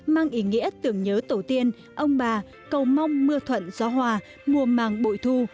mang ý nghĩa tưởng nhớ tổ tiên ông bà cầu mong mưa thuận gió hòa mùa màng bội thu